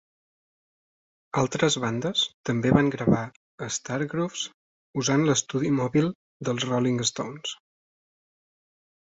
Altres bandes també van gravar a Stargroves usant l'estudi mòbil dels Rolling Stones.